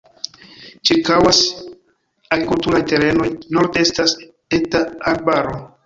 Ĉirkaŭas agrikulturaj terenoj, norde estas eta arbaro.